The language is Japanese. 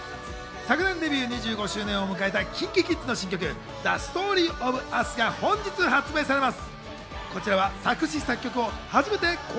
昨年、デビュー２５周年を迎えたＫｉｎＫｉＫｉｄｓの新曲『ＴｈｅＳｔｏｒｙｏｆＵｓ』が本日発売されます。